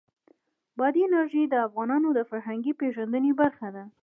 بادي انرژي د افغانانو د فرهنګي پیژندنې برخه ده.